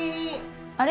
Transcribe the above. あれ？